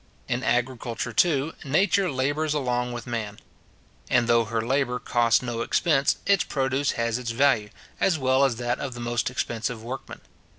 In agriculture, too, Nature labours along with man; and though her labour costs no expense, its produce has its value, as well as that of the most expensive workmen.